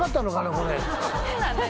これ。